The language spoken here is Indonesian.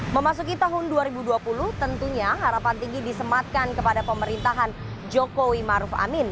memasuki tahun dua ribu dua puluh tentunya harapan tinggi disematkan kepada pemerintahan jokowi maruf amin